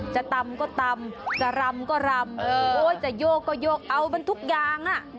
ตำก็ตำจะรำก็รำโอ้จะโยกก็โยกเอามันทุกอย่างอ่ะ